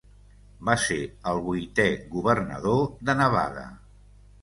Va ser el vuitè governador de Nevada.